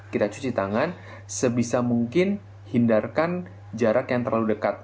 kita cuci tangan sebisa mungkin hindarkan jarak yang terlalu dekat